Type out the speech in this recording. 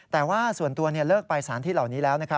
แต่ว่าส่วนตัวเลิกไปสารที่เหล่านี้แล้ว